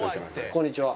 こんにちは。